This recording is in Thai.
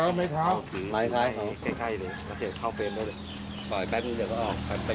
อันนี้ทำไมลองท่าน